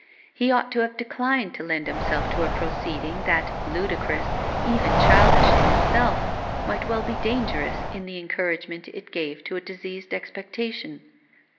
He ought to have declined to lend himself to a proceeding that, ludicrous, even childish in itself, might well be dangerous in the encouragement it gave to a diseased expectation.